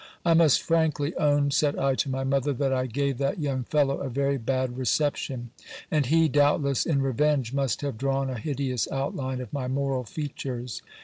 I must frankly own, said I to my mother, that I gave that young fellow a very bad reception ; and he, doubtless, in revenge, must have drawn a hideous outline of my moral features.